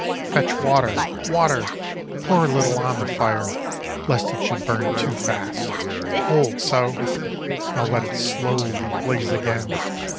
Fetch water! Water! Pour a little on The fire, lest it should burn too fast. Hold so! Now let it slowly blaze again.